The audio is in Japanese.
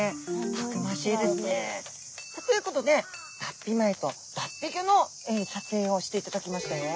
たくましいですね。ということで脱皮前と脱皮後の撮影をしていただきましたよ。